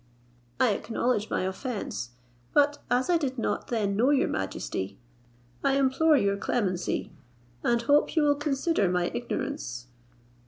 I acknowledge my offence, but as I did not then know your majesty, I implore your clemency, and hope you will consider my ignorance.